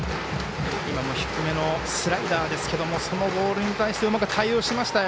低めのスライダーですがそのボールに対してうまく対応しましたよ。